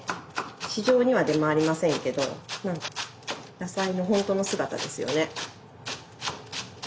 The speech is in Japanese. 市場には出回りませんけどなんか野菜のほんとの姿ですよね。